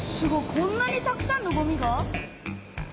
こんなにたくさんのごみが？